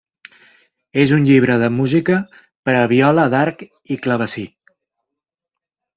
És un llibre de música per a viola d'arc i clavecí.